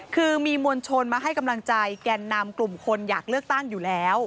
คือมีมวลชนมาให้กำลังใจแก่นนำกลุ่มคนอยากเลือกตั้งอยู่แล้ว